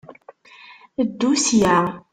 Ddu sya!